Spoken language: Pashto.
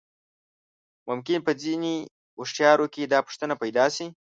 ممکن په ځينې هوښيارو کې دا پوښتنه پيدا شي.